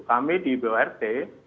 kami di bort